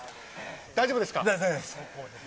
大丈夫ですか。